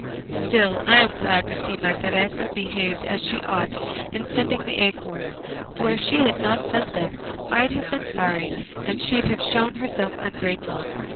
Still I'm glad to see my Teresa behaved as she ought in sending the acorns, for if she had not sent them I'd have been sorry, and she'd have shown herself ungrateful.